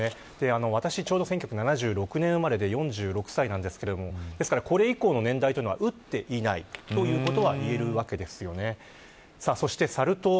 私はちょうど１９７６年生まれで４６歳ですがこれ以降の年代は打っていないということがいえます。